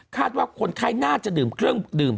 ว่าคนไข้น่าจะดื่มเครื่องดื่ม